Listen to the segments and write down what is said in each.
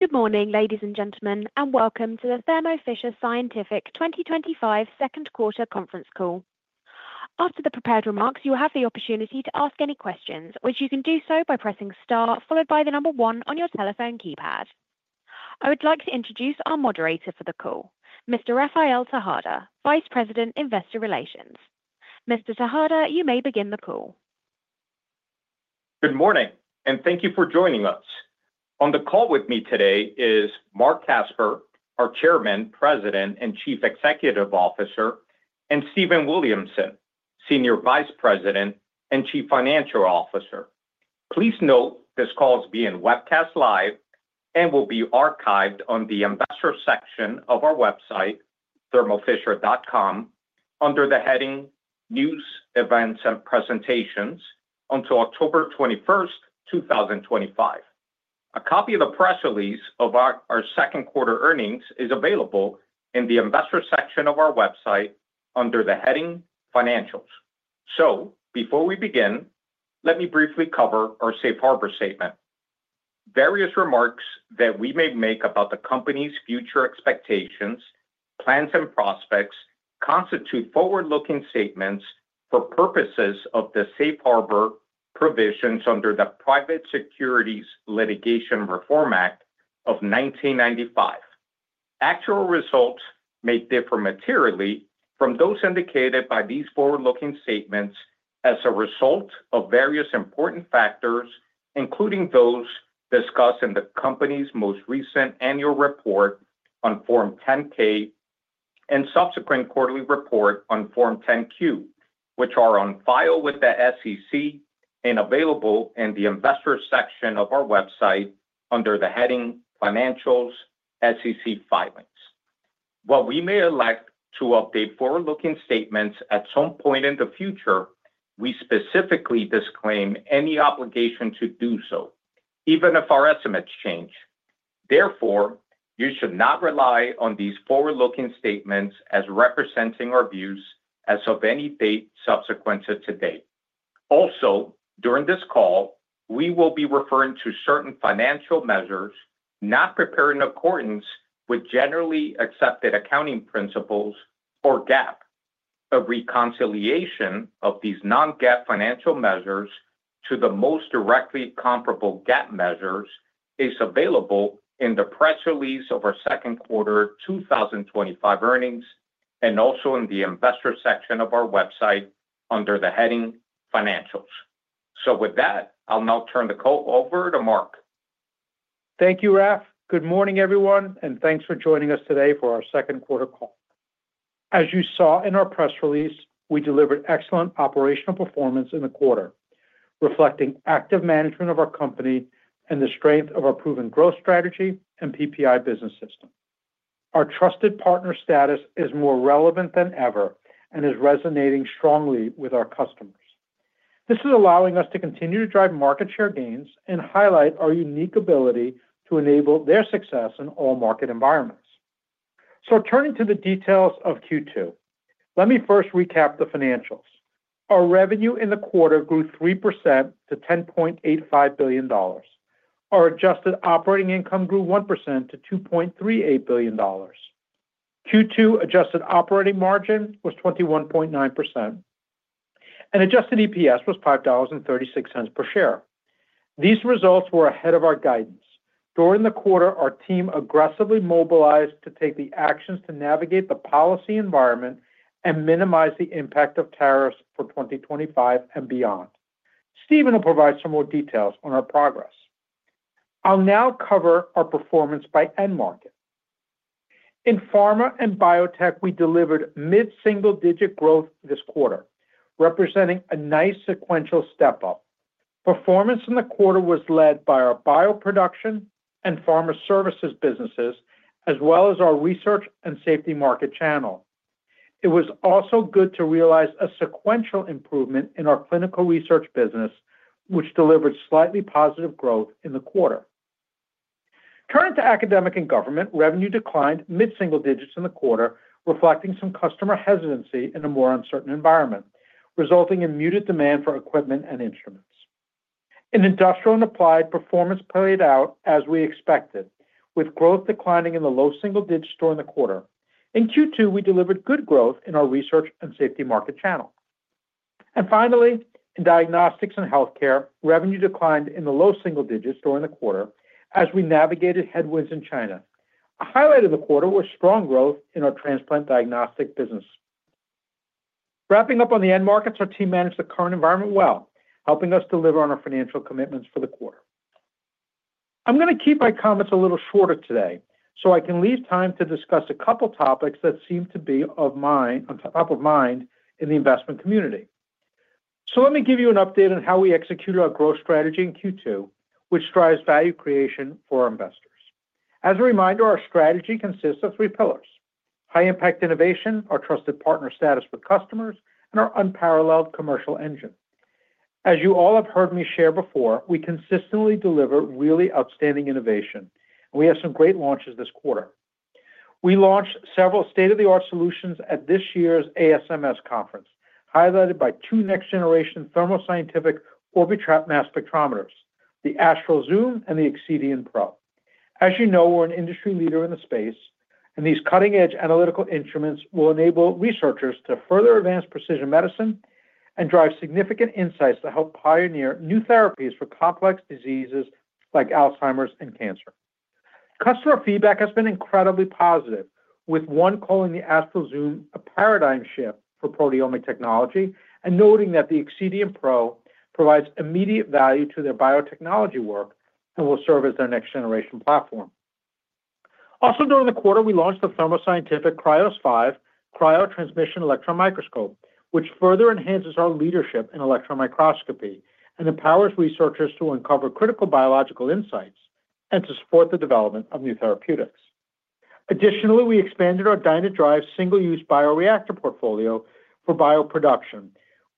Good morning, ladies and gentlemen, and welcome to the Thermo Fisher Scientific 2025 Second Quarter Conference Call. After the prepared remarks, you will have the opportunity to ask any questions, which you can do so by pressing star followed by the number one on your telephone keypad. I would like to introduce our moderator for the call, Mr. Rafael Tejada, Vice President, Investor Relations. Mr. Tejada, you may begin the call. Good morning, and thank you for joining us. On the call with me today is Marc Casper, our Chairman, President, and Chief Executive Officer, and Stephen Williamson, Senior Vice President and Chief Financial Officer. Please note this call is being webcast live and will be archived on the investor section of our website, thermofisher.com, under the heading News, Events, and Presentations until October 21, 2025. A copy of the press release of our second quarter earnings is available in the investor section of our website under the heading Financials. Before we begin, let me briefly cover our safe harbor statement. Various remarks that we may make about the company's future expectations, plans, and prospects constitute forward-looking statements for purposes of the safe harbor provisions under the Private Securities Litigation Reform Act of 1995. Actual results may differ materially from those indicated by these forward-looking statements as a result of various important factors, including those discussed in the company's most recent annual report on Form 10-K and subsequent quarterly report on Form 10-Q, which are on file with the SEC and available in the investor section of our website under the heading Financials SEC Filings. While we may elect to update forward-looking statements at some point in the future, we specifically disclaim any obligation to do so, even if our estimates change. Therefore, you should not rely on these forward-looking statements as representing our views as of any date subsequent to today. Also, during this call, we will be referring to certain financial measures not prepared in accordance with generally accepted accounting principles or GAAP. A reconciliation of these non-GAAP financial measures to the most directly comparable GAAP measures is available in the press release of our second quarter 2025 earnings and also in the investor section of our website under the heading Financials. With that, I'll now turn the call over to Marc. Thank you, Raf. Good morning, everyone, and thanks for joining us today for our second quarter call. As you saw in our press release, we delivered excellent operational performance in the quarter, reflecting active management of our company and the strength of our proven growth strategy and PPI Business System. Our trusted partner status is more relevant than ever and is resonating strongly with our customers. This is allowing us to continue to drive market share gains and highlight our unique ability to enable their success in all market environments. Turning to the details of Q2, let me first recap the financials. Our revenue in the quarter grew 3% to $10.85 billion. Our adjusted operating income grew 1% to $2.38 billion. Q2 adjusted operating margin was 21.9%. Adjusted EPS was $5.36 per share. These results were ahead of our guidance. During the quarter, our team aggressively mobilized to take the actions to navigate the policy environment and minimize the impact of tariffs for 2025 and beyond. Stephen will provide some more details on our progress. I'll now cover our performance by end market. In pharma and biotech, we delivered mid-single digit growth this quarter, representing a nice sequential step up. Performance in the quarter was led by our bioproduction and pharma services businesses, as well as our research and safety market channel. It was also good to realize a sequential improvement in our clinical research business, which delivered slightly positive growth in the quarter. Turning to academic and government, revenue declined mid-single digits in the quarter, reflecting some customer hesitancy in a more uncertain environment, resulting in muted demand for equipment and instruments. In industrial and applied, performance played out as we expected, with growth declining in the low single digits during the quarter. In Q2, we delivered good growth in our research and safety market channel. Finally, in diagnostics and healthcare, revenue declined in the low single digits during the quarter as we navigated headwinds in China. A highlight of the quarter was strong growth in our transplant diagnostic business. Wrapping up on the end markets, our team managed the current environment well, helping us deliver on our financial commitments for the quarter. I'm going to keep my comments a little shorter today so I can leave time to discuss a couple of topics that seem to be on top of mind in the investment community. Let me give you an update on how we executed our growth strategy in Q2, which drives value creation for our investors. As a reminder, our strategy consists of three pillars: high-impact innovation, our trusted partner status with customers, and our unparalleled commercial engine. As you all have heard me share before, we consistently deliver really outstanding innovation, and we have some great launches this quarter. We launched several state-of-the-art solutions at this year's ASMS conference, highlighted by two next-generation Thermo Scientific Orbitrap mass spectrometers, the Astral Zoom and the Excedion Pro. As you know, we're an industry leader in the space, and these cutting-edge Analytical Instruments will enable researchers to further advance precision medicine and drive significant insights to help pioneer new therapies for complex diseases like Alzheimer's and cancer. Customer feedback has been incredibly positive, with one calling the Astral Zoom a paradigm shift for proteomic technology and noting that the Excedion Pro provides immediate value to their biotechnology work and will serve as their next-generation platform. Also, during the quarter, we launched the Thermo Scientific Krios 5 cryo-transmission electron microscope, which further enhances our leadership in electron microscopy and empowers researchers to uncover critical biological insights and to support the development of new therapeutics. Additionally, we expanded our DynaDrive single-use bioreactor portfolio for bioproduction,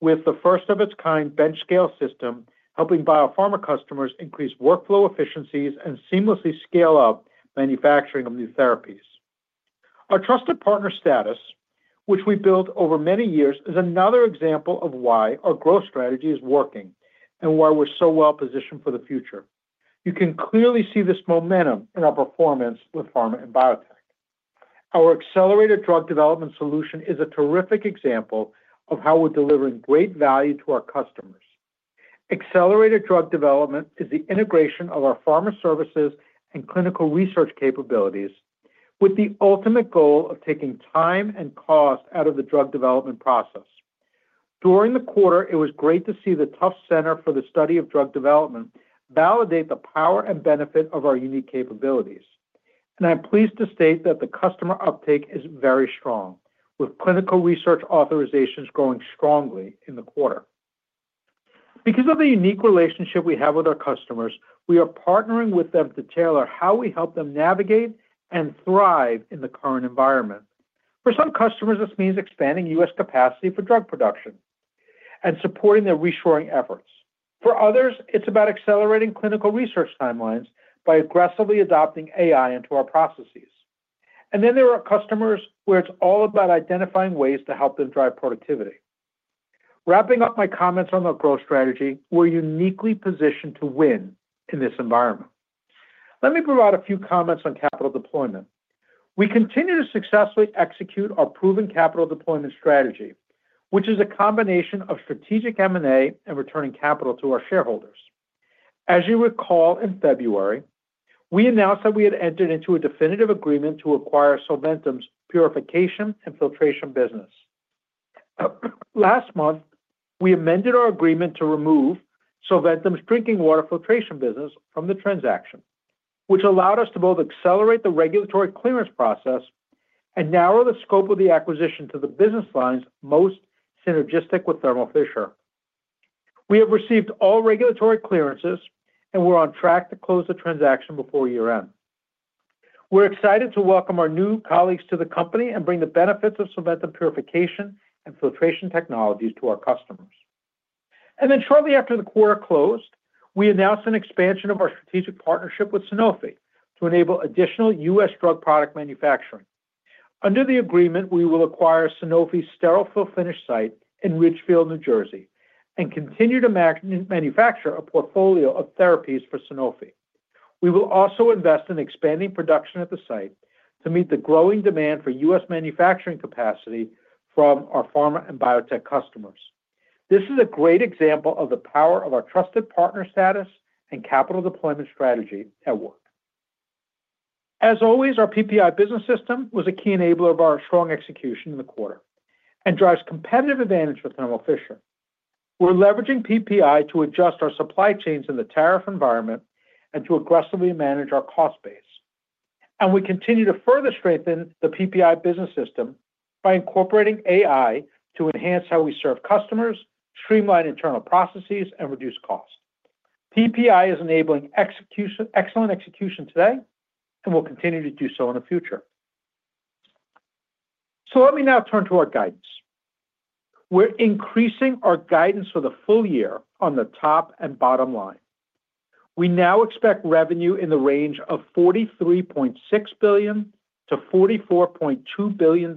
with the first-of-its-kind bench scale system helping biopharma customers increase workflow efficiencies and seamlessly scale up manufacturing of new therapies. Our trusted partner status, which we built over many years, is another example of why our growth strategy is working and why we're so well positioned for the future. You can clearly see this momentum in our performance with pharma and biotech. Our Accelerated Drug Development Solution is a terrific example of how we're delivering great value to our customers. Accelerated Drug Development is the integration of our pharma services and clinical research capabilities, with the ultimate goal of taking time and cost out of the drug development process. During the quarter, it was great to see the Tufts Center for the Study of Drug Development validate the power and benefit of our unique capabilities. I'm pleased to state that the customer uptake is very strong, with clinical research authorizations growing strongly in the quarter. Because of the unique relationship we have with our customers, we are partnering with them to tailor how we help them navigate and thrive in the current environment. For some customers, this means expanding U.S. capacity for drug production and supporting their reshoring efforts. For others, it's about accelerating clinical research timelines by aggressively adopting AI into our processes. There are customers where it's all about identifying ways to help them drive productivity. Wrapping up my comments on our growth strategy, we're uniquely positioned to win in this environment. Let me provide a few comments on capital deployment. We continue to successfully execute our proven capital deployment strategy, which is a combination of strategic M&A and returning capital to our shareholders. As you recall, in February, we announced that we had entered into a definitive agreement to acquire Solventum's Purification & Filtration business. Last month, we amended our agreement to remove Solventum's drinking water filtration business from the transaction, which allowed us to both accelerate the regulatory clearance process and narrow the scope of the acquisition to the business lines most synergistic with Thermo Fisher. We have received all regulatory clearances and we're on track to close the transaction before year-end. We're excited to welcome our new colleagues to the company and bring the benefits of Solventum Purification & Filtration technologies to our customers. Shortly after the quarter closed, we announced an expansion of our strategic partnership with Sanofi to enable additional U.S. drug product manufacturing. Under the agreement, we will acquire Sanofi's sterile fill-finish site in Ridgeville, New Jersey, and continue to manufacture a portfolio of therapies for Sanofi. We will also invest in expanding production at the site to meet the growing demand for U.S. manufacturing capacity from our pharma and biotech customers. This is a great example of the power of our trusted partner status and capital deployment strategy at work. As always, our PPI Business System was a key enabler of our strong execution in the quarter and drives competitive advantage for Thermo Fisher. We're leveraging PPI to adjust our supply chains in the tariff environment and to aggressively manage our cost base. We continue to further strengthen the PPI Business System by incorporating AI to enhance how we serve customers, streamline internal processes, and reduce cost. PPI is enabling excellent execution today and will continue to do so in the future. Let me now turn to our guidance. We're increasing our guidance for the full year on the top and bottom line. We now expect revenue in the range of $43.6 billion to $44.2 billion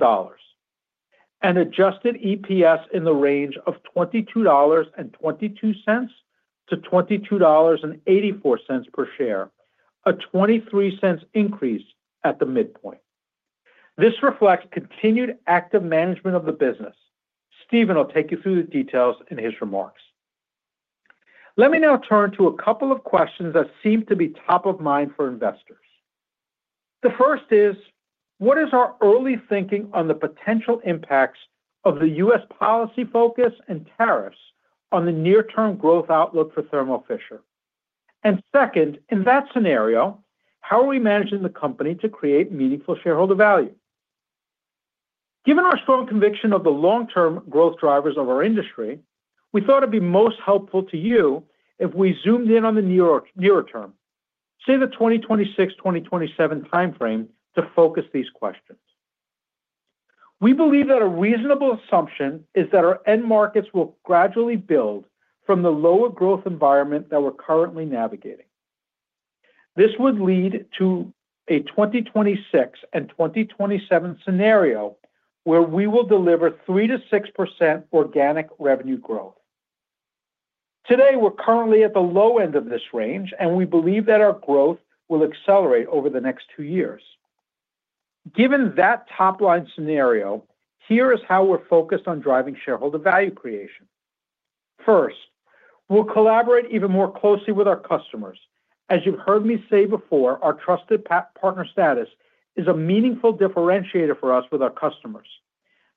and adjusted EPS in the range of $22.22 to $22.84 per share, a $0.23 increase at the midpoint. This reflects continued active management of the business. Stephen will take you through the details in his remarks. Let me now turn to a couple of questions that seem to be top of mind for investors. The first is, what is our early thinking on the potential impacts of the U.S. policy focus and tariffs on the near-term growth outlook for Thermo Fisher? Second, in that scenario, how are we managing the company to create meaningful shareholder value? Given our strong conviction of the long-term growth drivers of our industry, we thought it'd be most helpful to you if we zoomed in on the nearer term, say the 2026, 2027 timeframe, to focus these questions. We believe that a reasonable assumption is that our end markets will gradually build from the lower growth environment that we're currently navigating. This would lead to a 2026 and 2027 scenario where we will deliver 3%-6% organic revenue growth. Today, we're currently at the low end of this range, and we believe that our growth will accelerate over the next two years. Given that top-line scenario, here is how we're focused on driving shareholder value creation. First, we'll collaborate even more closely with our customers. As you've heard me say before, our trusted partner status is a meaningful differentiator for us with our customers.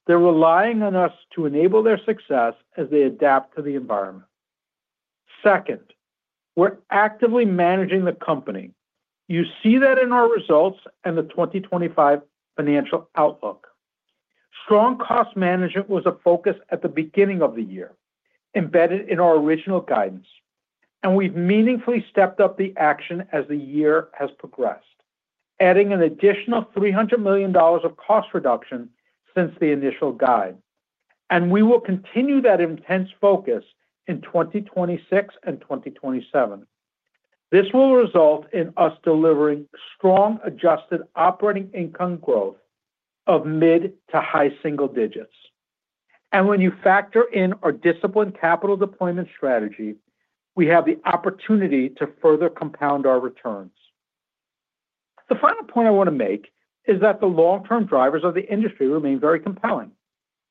They're relying on us to enable their success as they adapt to the environment. Second. We're actively managing the company. You see that in our results and the 2025 financial outlook. Strong cost management was a focus at the beginning of the year, embedded in our original guidance. We have meaningfully stepped up the action as the year has progressed, adding an additional $300 million of cost reduction since the initial guide. We will continue that intense focus in 2026 and 2027. This will result in us delivering strong adjusted operating income growth of mid to high single digits. When you factor in our disciplined capital deployment strategy, we have the opportunity to further compound our returns. The final point I want to make is that the long-term drivers of the industry remain very compelling.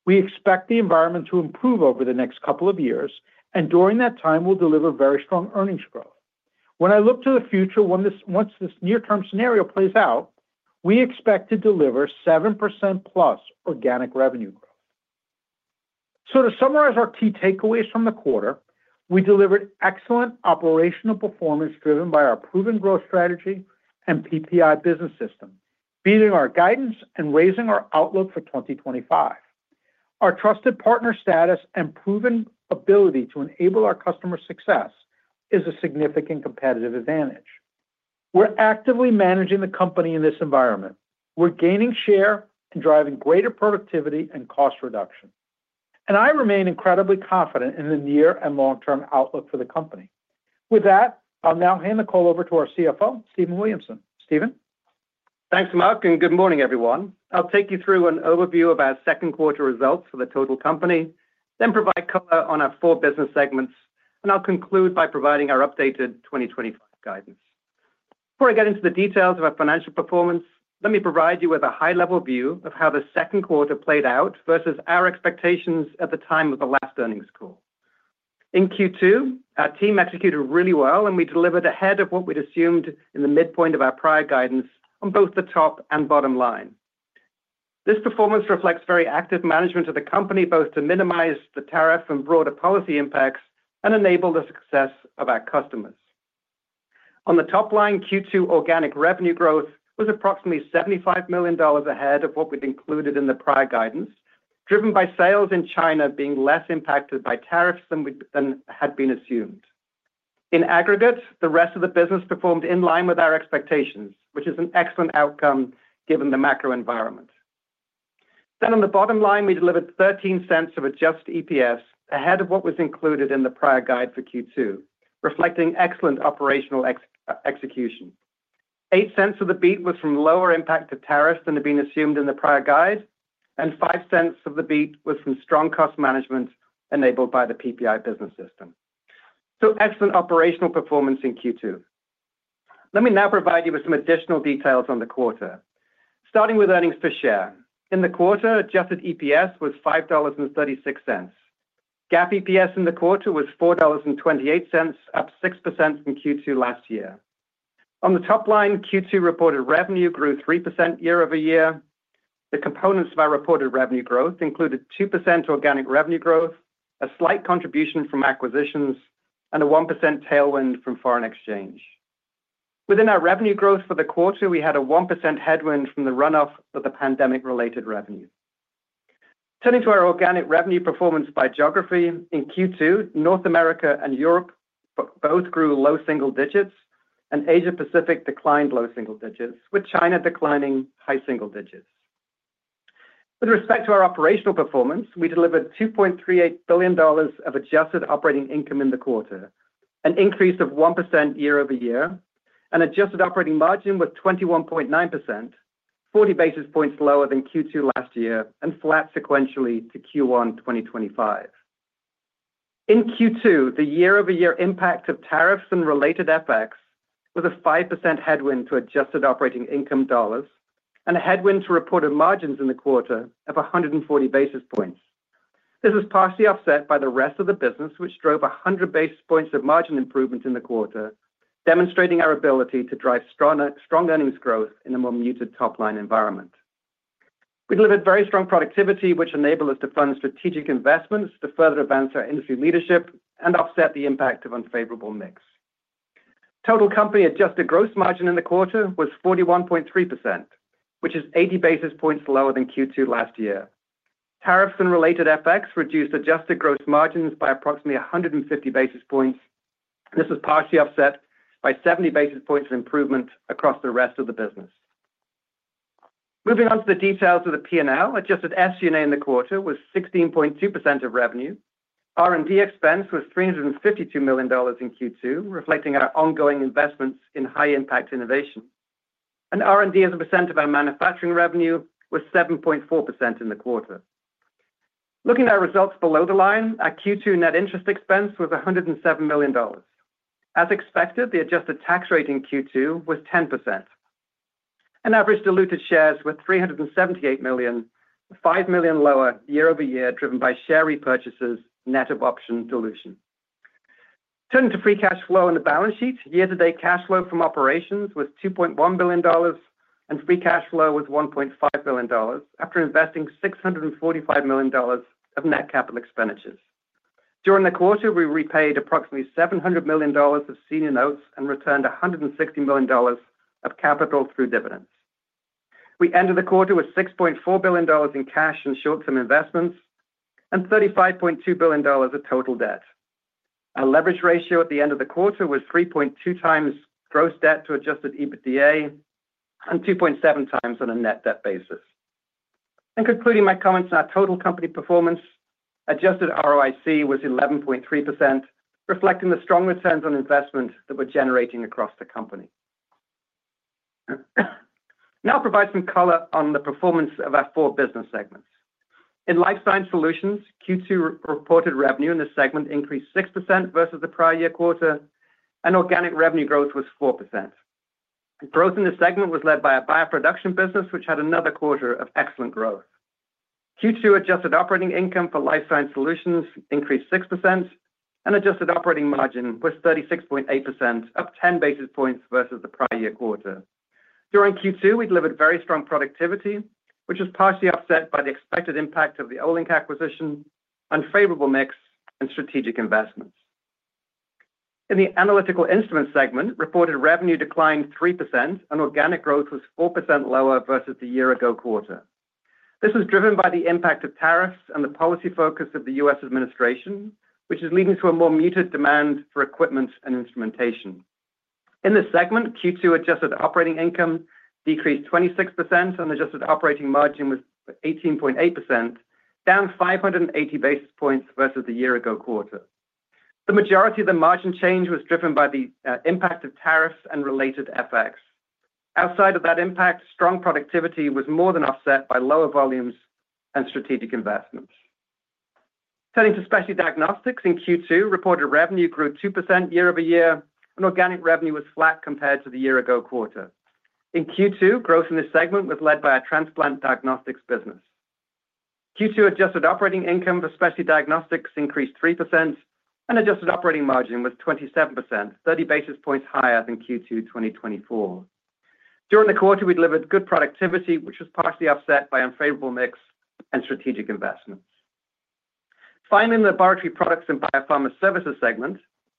We expect the environment to improve over the next couple of years, and during that time, we will deliver very strong earnings growth. When I look to the future, once this near-term scenario plays out, we expect to deliver 7% plus organic revenue growth. To summarize our key takeaways from the quarter, we delivered excellent operational performance driven by our proven growth strategy and PPI Business System, beating our guidance and raising our outlook for 2025. Our trusted partner status and proven ability to enable our customer success is a significant competitive advantage. We are actively managing the company in this environment. We are gaining share and driving greater productivity and cost reduction. I remain incredibly confident in the near and long-term outlook for the company. With that, I'll now hand the call over to our CFO, Stephen Williamson. Stephen? Thanks, Marc, and good morning, everyone. I'll take you through an overview of our second-quarter results for the total company, then provide color on our four business segments, and I'll conclude by providing our updated 2025 guidance. Before I get into the details of our financial performance, let me provide you with a high-level view of how the second quarter played out versus our expectations at the time of the last earnings call. In Q2, our team executed really well, and we delivered ahead of what we had assumed in the midpoint of our prior guidance on both the top and bottom line. This performance reflects very active management of the company, both to minimize the tariff and broader policy impacts and enable the success of our customers. On the top line, Q2 organic revenue growth was approximately $75 million ahead of what we had included in the prior guidance, driven by sales in China being less impacted by tariffs than had been assumed. In aggregate, the rest of the business performed in line with our expectations, which is an excellent outcome given the macro environment. On the bottom line, we delivered $0.13 of adjusted EPS ahead of what was included in the prior guide for Q2, reflecting excellent operational execution. $0.08 of the beat was from lower impact to tariffs than had been assumed in the prior guide, and $0.05 of the beat was from strong cost management enabled by the PPI Business System. Excellent operational performance in Q2. Let me now provide you with some additional details on the quarter, starting with earnings per share. In the quarter, adjusted EPS was $5.36. GAAP EPS in the quarter was $4.28, up 6% from Q2 last year. On the top line, Q2 reported revenue grew 3% year-over-year. The components of our reported revenue growth included 2% organic revenue growth, a slight contribution from acquisitions, and a 1% tailwind from foreign exchange. Within our revenue growth for the quarter, we had a 1% headwind from the runoff of the pandemic-related revenue. Turning to our organic revenue performance by geography, in Q2, North America and Europe both grew low single digits, and Asia-Pacific declined low single digits, with China declining high single digits. With respect to our operational performance, we delivered $2.38 billion of adjusted operating income in the quarter, an increase of 1% year over year, and adjusted operating margin was 21.9%, 40 basis points lower than Q2 last year, and flat sequentially to Q1 2025. In Q2, the year-over-year impact of tariffs and related effects was a 5% headwind to adjusted operating income dollars and a headwind to reported margins in the quarter of 140 basis points. This was partially offset by the rest of the business, which drove 100 basis points of margin improvement in the quarter, demonstrating our ability to drive strong earnings growth in a more muted top-line environment. We delivered very strong productivity, which enabled us to fund strategic investments to further advance our industry leadership and offset the impact of unfavorable mix. Total company adjusted gross margin in the quarter was 41.3%, which is 80 basis points lower than Q2 last year. Tariffs and related effects reduced adjusted gross margins by approximately 150 basis points. This was partially offset by 70 basis points of improvement across the rest of the business. Moving on to the details of the P&L, adjusted SG&A in the quarter was 16.2% of revenue. R&D expense was $352 million in Q2, reflecting our ongoing investments in high-impact innovation. R&D as a percent of our manufacturing revenue was 7.4% in the quarter. Looking at our results below the line, our Q2 net interest expense was $107 million. As expected, the adjusted tax rate in Q2 was 10%. Average diluted shares were 378 million, 5 million lower year-over-year, driven by share repurchases, net of option dilution. Turning to free cash flow on the balance sheet, year-to-date cash flow from operations was $2.1 billion, and free cash flow was $1.5 billion after investing $645 million of net capital expenditures. During the quarter, we repaid approximately $700 million of senior notes and returned $160 million of capital through dividends. We ended the quarter with $6.4 billion in cash and short-term investments and $35.2 billion of total debt. Our leverage ratio at the end of the quarter was 3.2x gross debt to adjusted EBITDA and 2.7x on a net debt basis. Concluding my comments on our total company performance, adjusted ROIC was 11.3%, reflecting the strong returns on investment that we're generating across the company. Now I'll provide some color on the performance of our four business segments. In Life Science Solutions, Q2 reported revenue in this segment increased 6% versus the prior year quarter, and organic revenue growth was 4%. Growth in this segment was led by a bio production business, which had another quarter of excellent growth. Q2 adjusted operating income for Life Science Solutions increased 6%, and adjusted operating margin was 36.8%, up 10 basis points versus the prior year quarter. During Q2, we delivered very strong productivity, which was partially offset by the expected impact of the Olink acquisition, unfavorable mix, and strategic investments. In the Analytical Instruments segment, reported revenue declined 3%, and organic growth was 4% lower versus the year-ago quarter. This was driven by the impact of tariffs and the policy focus of the U.S. administration, which is leading to a more muted demand for equipment and instrumentation. In this segment, Q2 adjusted operating income decreased 26%, and adjusted operating margin was 18.8%, down 580 basis points versus the year-ago quarter. The majority of the margin change was driven by the impact of tariffs and related effects. Outside of that impact, strong productivity was more than offset by lower volumes and strategic investments. Turning to Specialty Diagnostics, in Q2, reported revenue grew 2% year over year, and organic revenue was flat compared to the year-ago quarter. In Q2, growth in this segment was led by a transplant diagnostics business. Q2 adjusted operating income for Specialty Diagnostics increased 3%, and adjusted operating margin was 27%, 30 basis points higher than Q2 2024. During the quarter, we delivered good productivity, which was partially offset by unfavorable mix and strategic investments. Finally, in the Laboratory Products and Biopharma Services segment,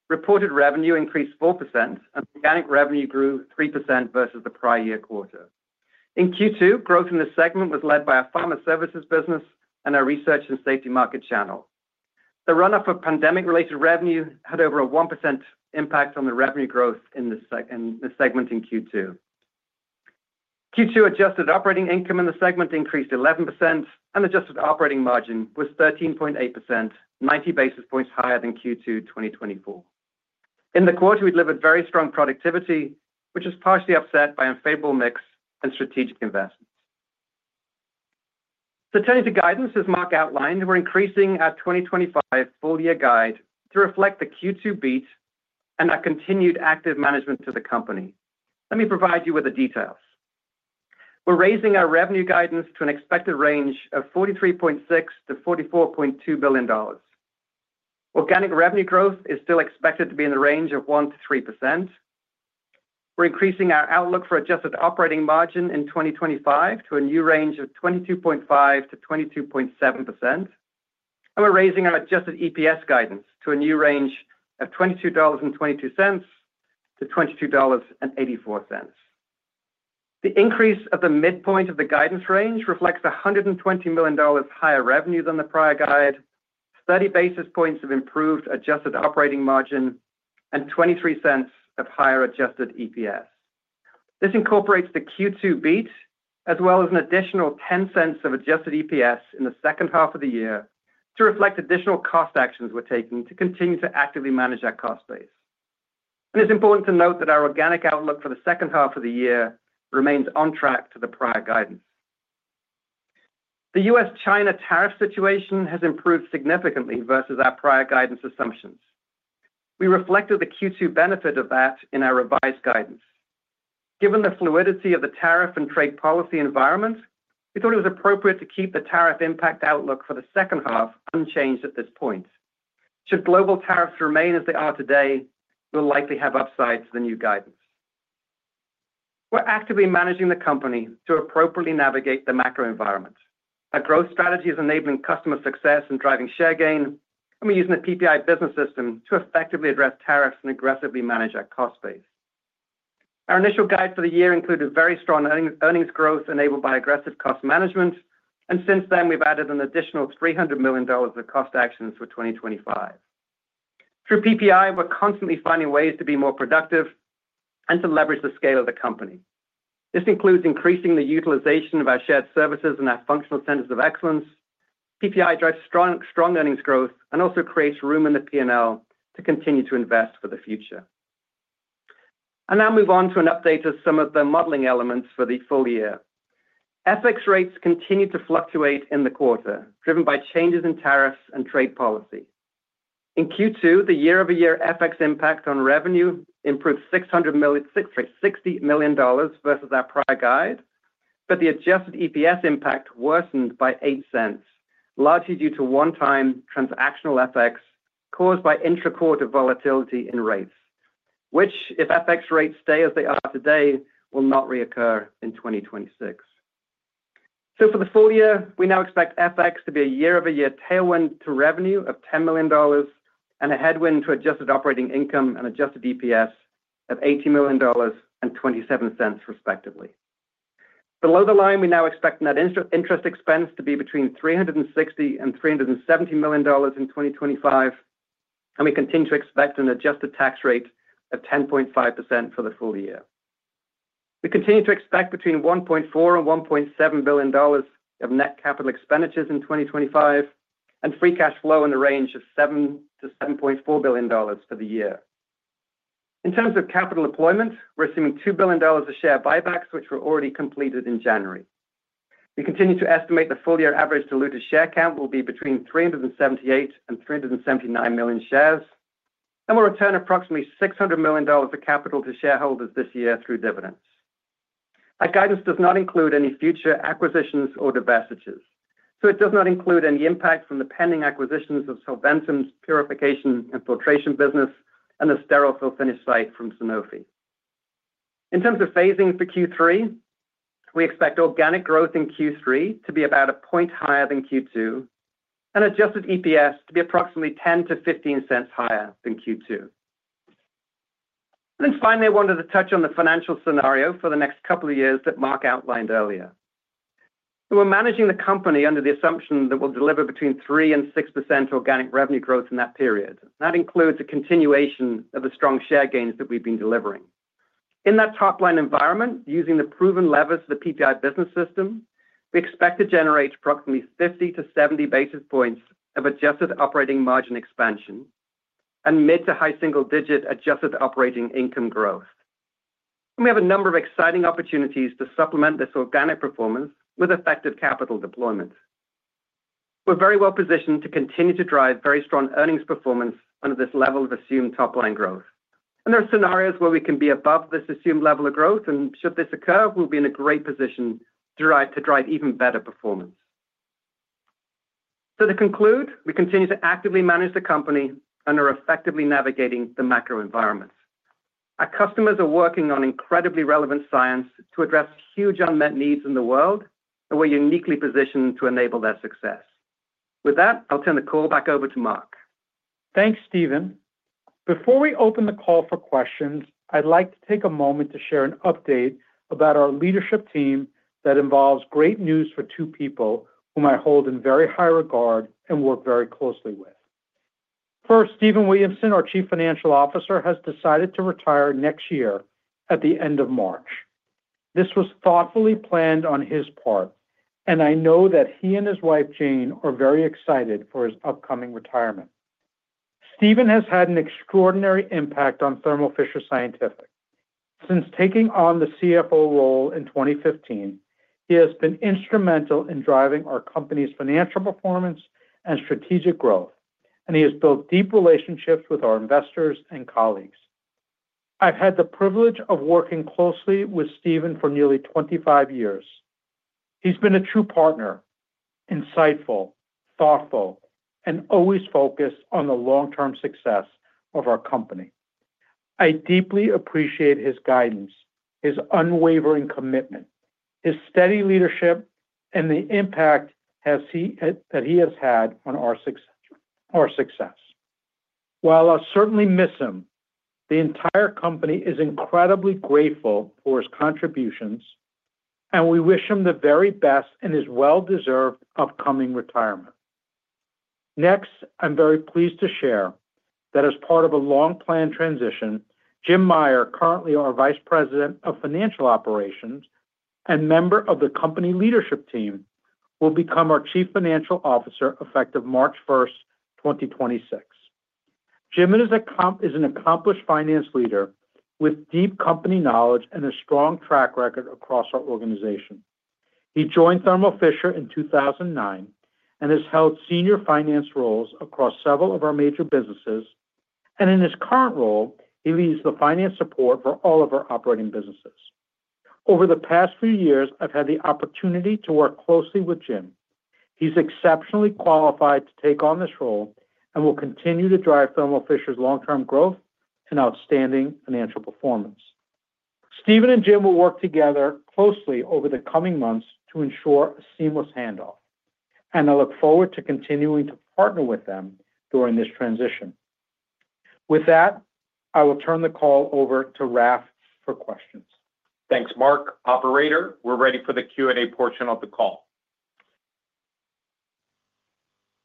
reported revenue increased 4%, and organic revenue grew 3% versus the prior year quarter. In Q2, growth in this segment was led by a pharma services business and a research and safety market channel. The runoff of pandemic-related revenue had over a 1% impact on the revenue growth in this segment in Q2. Q2 adjusted operating income in the segment increased 11%, and adjusted operating margin was 13.8%, 90 basis points higher than Q2 2024. In the quarter, we delivered very strong productivity, which was partially offset by unfavorable mix and strategic investments. Turning to guidance, as Marc outlined, we're increasing our 2025 full-year guide to reflect the Q2 beat and our continued active management of the company. Let me provide you with the details. We're raising our revenue guidance to an expected range of $43.6 billion to $44.2 billion. Organic revenue growth is still expected to be in the range of 1%-3%. We're increasing our outlook for adjusted operating margin in 2025 to a new range of 22.5%-22.7%. We're raising our adjusted EPS guidance to a new range of $22.22. To $22.84. The increase of the midpoint of the guidance range reflects $120 million higher revenue than the prior guide, 30 basis points of improved adjusted operating margin, and 23% of higher adjusted EPS. This incorporates the Q2 beat as well as an additional $0.10 of adjusted EPS in the second half of the year to reflect additional cost actions we're taking to continue to actively manage our cost base. It is important to note that our organic outlook for the second half of the year remains on track to the prior guidance. The U.S.-China tariff situation has improved significantly versus our prior guidance assumptions. We reflected the Q2 benefit of that in our revised guidance. Given the fluidity of the tariff and trade policy environment, we thought it was appropriate to keep the tariff impact outlook for the second half unchanged at this point. Should global tariffs remain as they are today, we'll likely have upsides to the new guidance. We're actively managing the company to appropriately navigate the macro environment. Our growth strategy is enabling customer success and driving share gain, and we're using the PPI Business System to effectively address tariffs and aggressively manage our cost base. Our initial guide for the year included very strong earnings growth enabled by aggressive cost management, and since then, we've added an additional $300 million of cost actions for 2025. Through PPI, we're constantly finding ways to be more productive and to leverage the scale of the company. This includes increasing the utilization of our shared services and our functional centers of excellence. PPI drives strong earnings growth and also creates room in the P&L to continue to invest for the future. I'll now move on to an update of some of the modeling elements for the full year. FX rates continue to fluctuate in the quarter, driven by changes in tariffs and trade policy. In Q2, the year-over-year FX impact on revenue improved $600 million, $60 million versus our prior guide, but the adjusted EPS impact worsened by $0.08, largely due to one-time transactional FX caused by intra-quarter volatility in rates, which, if FX rates stay as they are today, will not reoccur in 2026. For the full year, we now expect FX to be a year-over-year tailwind to revenue of $10 million and a headwind to adjusted operating income and adjusted EPS of $80 million and $0.27, respectively. Below the line, we now expect net interest expense to be between $360 million and $370 million in 2025. We continue to expect an adjusted tax rate of 10.5% for the full year. We continue to expect between $1.4 billion to $1.7 billion of net capital expenditures in 2025 and free cash flow in the range of $7 billion to $7.4 billion for the year. In terms of capital deployment, we're assuming $2 billion of share buybacks, which were already completed in January. We continue to estimate the full-year average diluted share count will be between 378 million and 379 million shares, and we'll return approximately $600 million of capital to shareholders this year through dividends. Our guidance does not include any future acquisitions or divestitures, so it does not include any impact from the pending acquisitions of Solventum's Purification & Filtration business and the sterile fill-finish site from Sanofi. In terms of phasing for Q3, we expect organic growth in Q3 to be about a point higher than Q2 and adjusted EPS to be approximately $0.10-$0.15 higher than Q2. Then finally, I wanted to touch on the financial scenario for the next couple of years that Marc outlined earlier. We're managing the company under the assumption that we'll deliver between 3% and 6% organic revenue growth in that period. That includes a continuation of the strong share gains that we've been delivering. In that top-line environment, using the proven levers of the PPI Business System, we expect to generate approximately 50-70 basis points of adjusted operating margin expansion and mid to high single-digit adjusted operating income growth. We have a number of exciting opportunities to supplement this organic performance with effective capital deployment. We're very well positioned to continue to drive very strong earnings performance under this level of assumed top-line growth. There are scenarios where we can be above this assumed level of growth, and should this occur, we'll be in a great position to drive even better performance. To conclude, we continue to actively manage the company and are effectively navigating the macro environment. Our customers are working on incredibly relevant science to address huge unmet needs in the world, and we're uniquely positioned to enable their success. With that, I'll turn the call back over to Marc. Thanks, Stephen. Before we open the call for questions, I'd like to take a moment to share an update about our leadership team that involves great news for two people whom I hold in very high regard and work very closely with. First, Stephen Williamson, our Chief Financial Officer, has decided to retire next year at the end of March. This was thoughtfully planned on his part, and I know that he and his wife, Jane, are very excited for his upcoming retirement. Stephen has had an extraordinary impact on Thermo Fisher Scientific. Since taking on the CFO role in 2015, he has been instrumental in driving our company's financial performance and strategic growth, and he has built deep relationships with our investors and colleagues. I've had the privilege of working closely with Stephen for nearly 25 years. He's been a true partner, insightful, thoughtful, and always focused on the long-term success of our company. I deeply appreciate his guidance, his unwavering commitment, his steady leadership, and the impact that he has had on our success. While I'll certainly miss him, the entire company is incredibly grateful for his contributions, and we wish him the very best in his well-deserved upcoming retirement. Next, I'm very pleased to share that as part of a long-planned transition, Jim Meyer, currently our Vice President of Financial Operations and member of the company leadership team, will become our Chief Financial Officer effective March 1, 2026. Jim is an accomplished finance leader with deep company knowledge and a strong track record across our organization. He joined Thermo Fisher in 2009 and has held senior finance roles across several of our major businesses. In his current role, he leads the finance support for all of our operating businesses. Over the past few years, I've had the opportunity to work closely with Jim. He's exceptionally qualified to take on this role and will continue to drive Thermo Fisher's long-term growth and outstanding financial performance. Stephen and Jim will work together closely over the coming months to ensure a seamless handoff, and I look forward to continuing to partner with them during this transition. With that, I will turn the call over to Raf for questions. Thanks, Marc. Operator, we're ready for the Q&A portion of the call.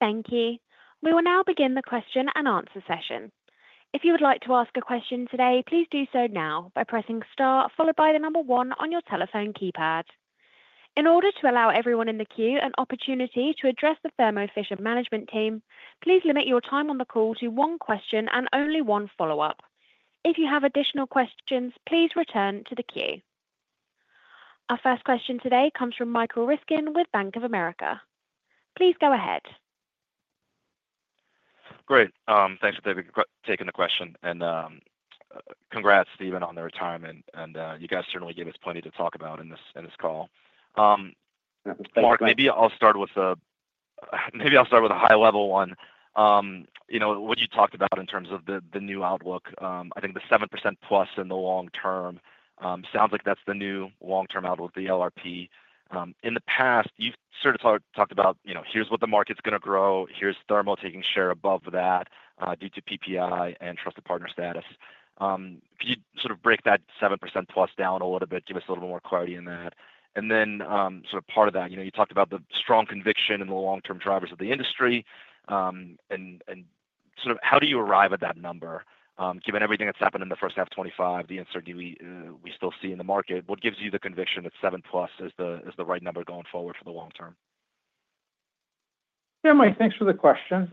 Thank you. We will now begin the question and answer session. If you would like to ask a question today, please do so now by pressing Star, followed by the number one on your telephone keypad. In order to allow everyone in the queue an opportunity to address the Thermo Fisher management team, please limit your time on the call to one question and only one follow-up. If you have additional questions, please return to the queue. Our first question today comes from Michael Ryskin with Bank of America. Please go ahead. Great. Thanks for taking the question. Congrats, Stephen, on the retirement. You guys certainly gave us plenty to talk about in this call. Marc, maybe I'll start with a high-level one. What you talked about in terms of the new outlook, I think the 7% plus in the long term, sounds like that's the new long-term outlook, the LRP. In the past, you've sort of talked about, "Here's what the market's going to grow. Here's Thermo taking share above that due to PPI and trusted partner status." Could you sort of break that 7% plus down a little bit, give us a little more clarity in that? Part of that, you talked about the strong conviction and the long-term drivers of the industry. How do you arrive at that number? Given everything that's happened in the first half of 2025, the uncertainty we still see in the market, what gives you the conviction that 7% plus is the right number going forward for the long term? Yeah, Mike, thanks for the question.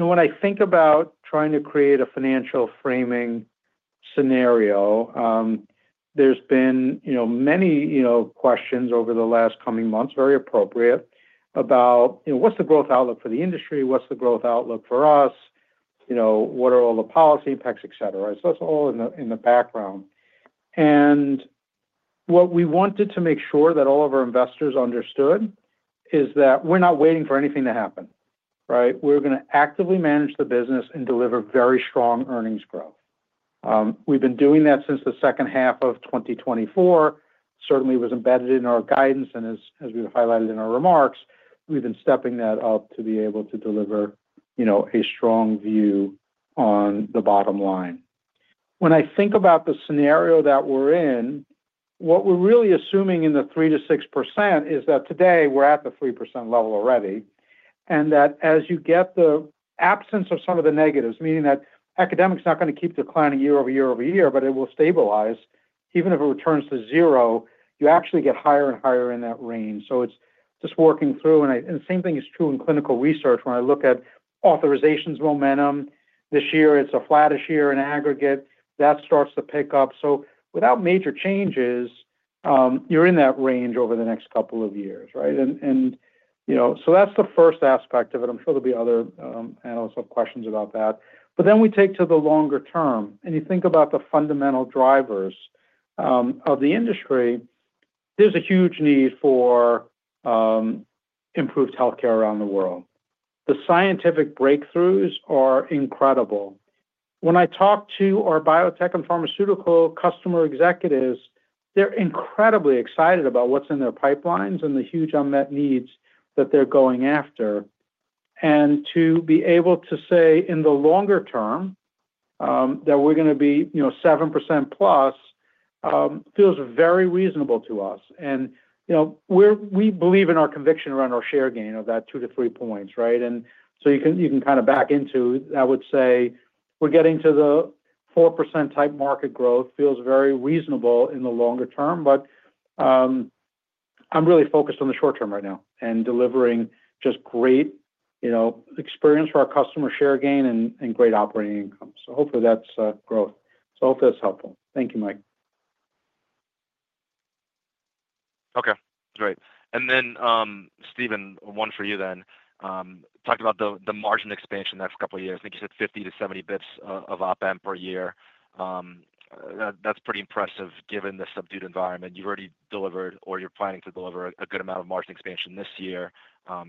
When I think about trying to create a financial framing scenario. There have been many questions over the last coming months, very appropriate, about what is the growth outlook for the industry, what is the growth outlook for us. What are all the policy impacts, etc.? That is all in the background. What we wanted to make sure that all of our investors understood is that we are not waiting for anything to happen, right? We are going to actively manage the business and deliver very strong earnings growth. We have been doing that since the second half of 2024. Certainly, it was embedded in our guidance, and as we have highlighted in our remarks, we have been stepping that up to be able to deliver a strong view on the bottom line. When I think about the scenario that we are in, what we are really assuming in the 3%-6% is that today we are at the 3% level already, and that as you get the absence of some of the negatives, meaning that academics are not going to keep declining year over year-over-year, but it will stabilize. Even if it returns to zero, you actually get higher and higher in that range. It is just working through. The same thing is true in clinical research. When I look at authorizations momentum this year, it is a flattish year in aggregate. That starts to pick up. Without major changes, you are in that range over the next couple of years, right? That is the first aspect of it. I am sure there will be other analysts who have questions about that. We take to the longer term. You think about the fundamental drivers of the industry, there is a huge need for improved healthcare around the world. The scientific breakthroughs are incredible. When I talk to our biotech and pharmaceutical customer executives, they are incredibly excited about what is in their pipelines and the huge unmet needs that they are going after. To be able to say in the longer term that we are going to be 7% plus feels very reasonable to us. We believe in our conviction around our share gain of that 2-3 points, right? You can kind of back into, I would say, we are getting to the 4% type market growth. Feels very reasonable in the longer term, but I am really focused on the short term right now and delivering just great experience for our customer share gain and great operating income. Hopefully that is growth. Hopefully that is helpful. Thank you, Mike. Okay. Great. Then, Stephen, one for you then. Talking about the margin expansion next couple of years, I think you said 50 to 70 basis points of op-amp per year. That is pretty impressive given the subdued environment. You have already delivered, or you are planning to deliver, a good amount of margin expansion this year,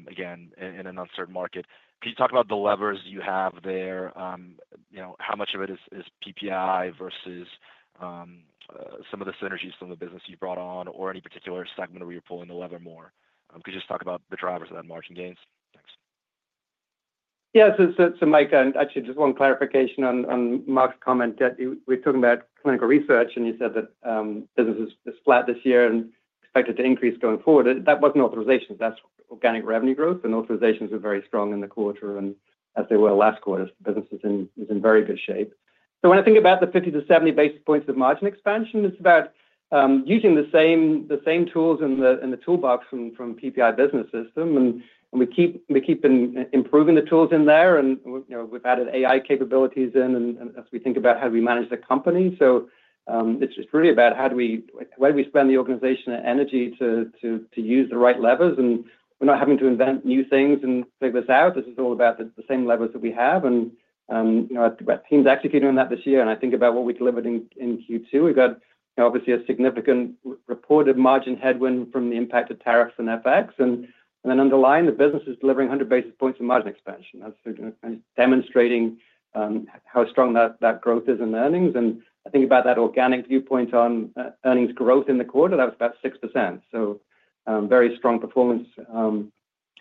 again, in an uncertain market. Can you talk about the levers you have there? How much of it is PPI versus. Some of the synergies from the business you've brought on, or any particular segment where you're pulling the lever more? Could you just talk about the drivers of that margin gains? Thanks. Yeah. So, Mike, actually, just one clarification on Marc's comment. We're talking about clinical research, and you said that business is flat this year and expected to increase going forward. That wasn't authorizations. That's organic revenue growth, and authorizations were very strong in the quarter, and as they were last quarter. The business is in very good shape. When I think about the 50-70 basis points of margin expansion, it's about using the same tools in the toolbox from PPI Business System. We keep improving the tools in there, and we've added AI capabilities in as we think about how do we manage the company. It's really about how do we spend the organization energy to use the right levers, and we're not having to invent new things and figure this out. This is all about the same levers that we have. What team's actually doing that this year? I think about what we delivered in Q2. We've got, obviously, a significant reported margin headwind from the impact of tariffs and FX. Underlying, the business is delivering 100 basis points of margin expansion. That's demonstrating how strong that growth is in earnings. I think about that organic viewpoint on earnings growth in the quarter, that was about 6%. Very strong performance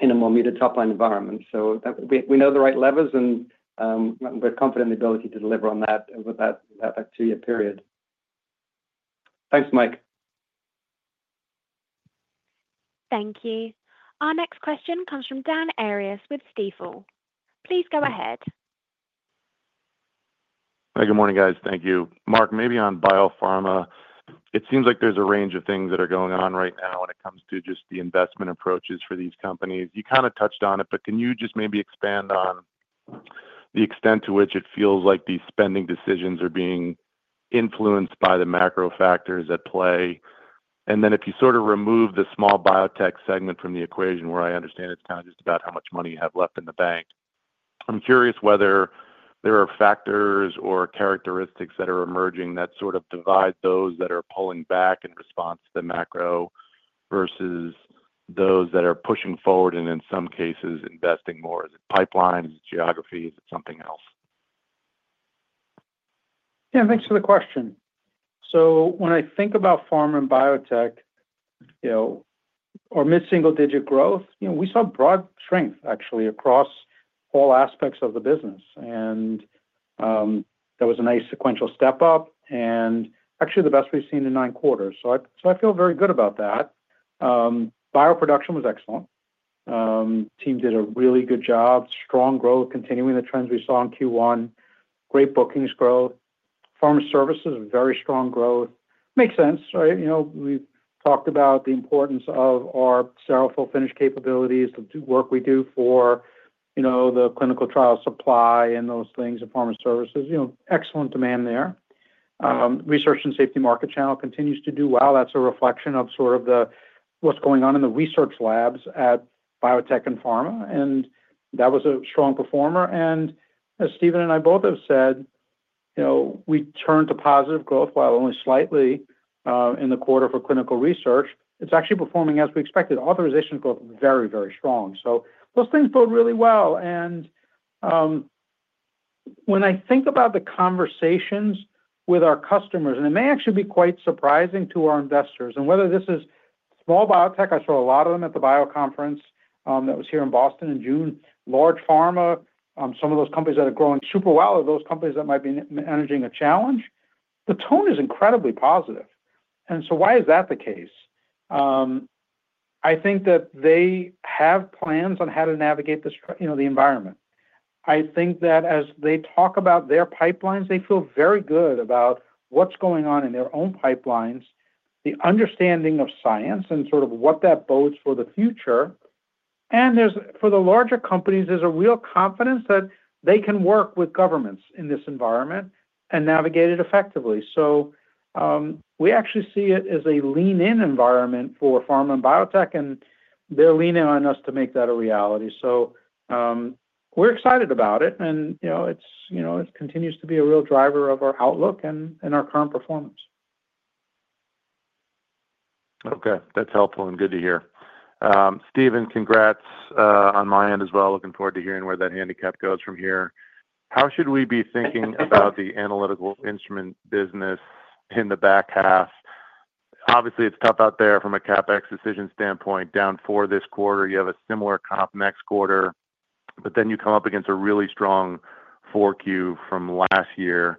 in a more muted top-line environment. We know the right levers, and we're confident in the ability to deliver on that over that two-year period. Thanks, Mike. Thank you. Our next question comes from Dan Arias with Stifel. Please go ahead. Hi. Good morning, guys. Thank you. Marc, maybe on biopharma, it seems like there's a range of things that are going on right now when it comes to just the investment approaches for these companies. You kind of touched on it, but can you just maybe expand on the extent to which it feels like these spending decisions are being influenced by the macro factors at play? If you sort of remove the small biotech segment from the equation, where I understand it's kind of just about how much money you have left in the bank, I'm curious whether there are factors or characteristics that are emerging that sort of divide those that are pulling back in response to the macro versus those that are pushing forward and, in some cases, investing more. Is it pipelines? Is it geography? Is it something else? Yeah. Thanks for the question. When I think about pharma and biotech or mid-single-digit growth, we saw broad strength, actually, across all aspects of the business. That was a nice sequential step up, and actually, the best we've seen in nine quarters. I feel very good about that. Bio production was excellent. Team did a really good job. Strong growth, continuing the trends we saw in Q1. Great bookings growth. Pharma services, very strong growth. Makes sense, right? We've talked about the importance of our sterile fill-finish capabilities, the work we do for the clinical trial supply and those things in pharma services. Excellent demand there. Research and safety market channel continues to do well. That's a reflection of sort of what's going on in the research labs at biotech and pharma. And that was a strong performer. As Stephen and I both have said, we turned to positive growth, while only slightly, in the quarter for clinical research. It's actually performing as we expected. Authorization growth, very, very strong. Those things go really well. When I think about the conversations with our customers, and it may actually be quite surprising to our investors, whether this is small biotech—I saw a lot of them at the bio conference that was here in Boston in June—large pharma, some of those companies that are growing super well are those companies that might be managing a challenge. The tone is incredibly positive. Why is that the case? I think that they have plans on how to navigate the environment. I think that as they talk about their pipelines, they feel very good about what's going on in their own pipelines, the understanding of science, and sort of what that bodes for the future. For the larger companies, there's a real confidence that they can work with governments in this environment and navigate it effectively. We actually see it as a lean-in environment for pharma and biotech, and they're leaning on us to make that a reality. We're excited about it, and it continues to be a real driver of our outlook and our current performance. Okay. That's helpful and good to hear. Stephen, congrats on my end as well. Looking forward to hearing where that handicap goes from here. How should we be thinking about the analytical instrument business in the back half? Obviously, it's tough out there from a CapEx decision standpoint. Down four this quarter, you have a similar comp next quarter, but then you come up against a really strong Q4 from last year.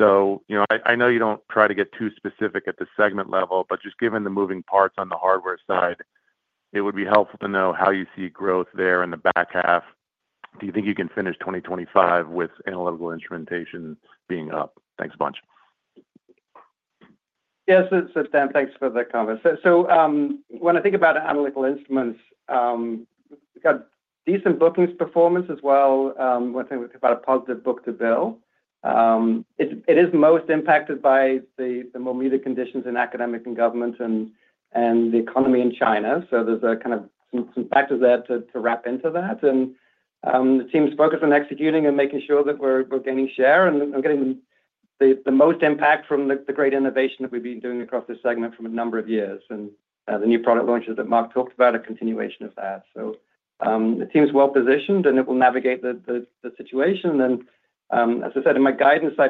I know you don't try to get too specific at the segment level, but just given the moving parts on the hardware side, it would be helpful to know how you see growth there in the back half. Do you think you can finish 2025 with analytical instrumentation being up? Thanks a bunch. Yeah. Dan, thanks for the comment. When I think about Analytical Instruments, we've got decent bookings performance as well. When I think about a positive book to bill, it is most impacted by the more muted conditions in academic and government and the economy in China. There are kind of some factors there to wrap into that. The team's focused on executing and making sure that we're gaining share and getting the most impact from the great innovation that we've been doing across this segment for a number of years. The new product launches that Marc talked about are a continuation of that. The team's well-positioned, and it will navigate the situation. As I said, in my guidance, I